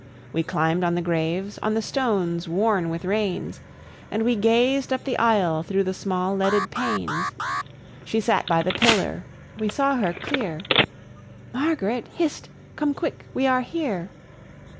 We climb'd on the graves, on the stones worn with rains, And we gaz'd up the aisle through the small leaded panes. She sate by the pillar; we saw her clear: "Margaret, hist! come quick, we are here!